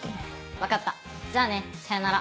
分かったじゃあねさようなら。